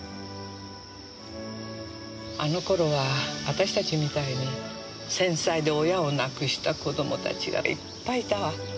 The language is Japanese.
あの頃は私たちみたいに戦災で親を亡くした子どもたちがいっぱいいたわ。